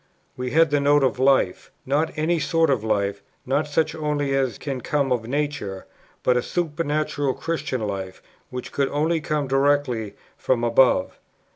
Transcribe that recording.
We had the Note of Life, not any sort of life, not such only as can come of nature, but a supernatural Christian life, which could only come directly from above.